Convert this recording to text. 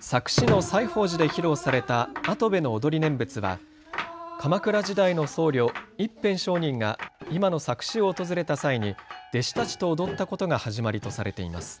佐久市の西方寺で披露された跡部の踊り念仏は鎌倉時代の僧侶、一遍上人が今の佐久市を訪れた際に弟子たちと踊ったことが始まりとされています。